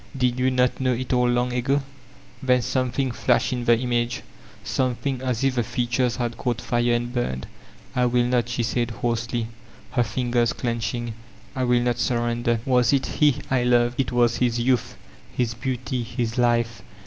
Did yon not know it all long ago?" Then something flashed in the image, something as if the features had caught fire and burned. "I will not," she said hoarsely, her fingers clenching. "I will not surrender. Was it he I feved? It was his youth, his beauty, his life.